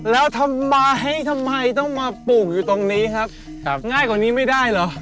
แล้วทำไมทำไมต้องมาปลูกอยู่ตรงนี้ครับง่ายกว่านี้ไม่ได้เหรอ